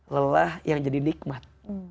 lelah yang jadi nikmat